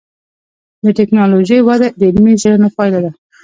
د ټکنالوجۍ وده د علمي څېړنو پایله ده.